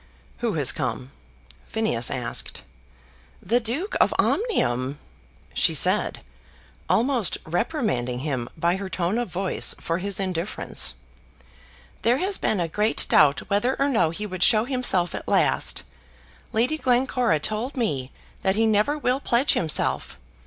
"Who has come?" Phineas asked. "The Duke of Omnium!" she said, almost reprimanding him by her tone of voice for his indifference. "There has been a great doubt whether or no he would show himself at last. Lady Glencora told me that he never will pledge himself.